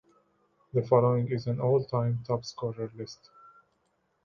The following is an all-time top-scorer list.